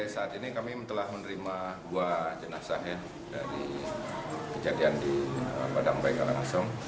saat ini kami telah menerima dua jenazah dari kejadian di padang bayi karangasem